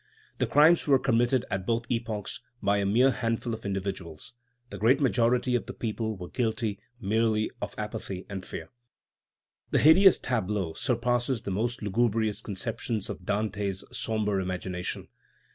The crimes were committed at both epochs by a mere handful of individuals. The great majority of the people were guilty merely of apathy and fear. The hideous tableau surpasses the most lugubrious conceptions of Dante's sombre imagination.